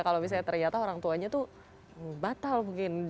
kalau misalnya ternyata orang tuanya tuh batal mungkin